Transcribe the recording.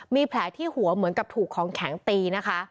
มีแผลที่หัวเหมือนกับถูกของแข็งตีนะคะ